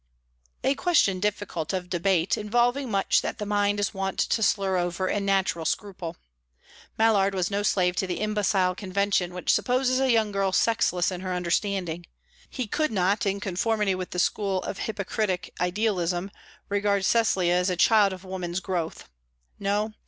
A question difficult of debate, involving much that the mind is wont to slur over in natural scruple. Mallard was no slave to the imbecile convention which supposes a young girl sexless in her understanding; he could not, in conformity with the school of hypocritic idealism, regard Cecily as a child of woman's growth. No.